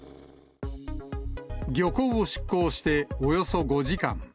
漁港を出港しておよそ５時間。